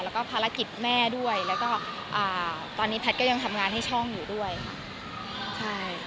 แล้วก็ภารกิจแม่ด้วยแล้วก็อ่าตอนนี้แพทย์ก็ยังทำงานให้ช่องอยู่ด้วยค่ะใช่